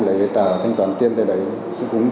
lấy cho anh trung